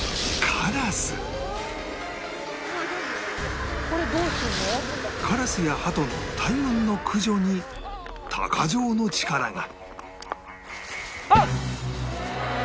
カラスやハトの大群の駆除に鷹匠の力が